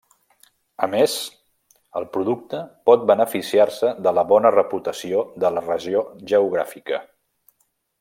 A més, el producte pot beneficiar-se de la bona reputació de la regió geogràfica.